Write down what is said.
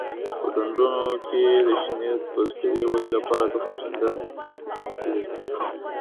په ډنډونو کې د شینې بسترې ودې لپاره تخم شیندل او سره ورکول کېږي.